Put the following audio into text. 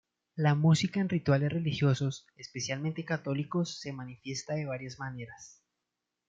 La música en rituales religiosos, especialmente católicos, se manifiesta de varias maneras.